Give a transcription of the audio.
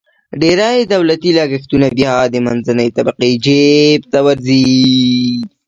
ډېری دولتي لګښتونه بیا د منځنۍ طبقې جیب ته ورځي.